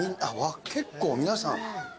結構皆さん。